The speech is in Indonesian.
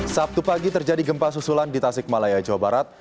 sabtu pagi terjadi gempa susulan di tasikmalaya jawa barat